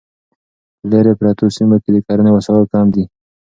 په لیرې پرتو سیمو کې د کرنې وسایل کم دي.